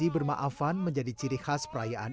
dan mempermaafkan menjadi ciri khas perayaan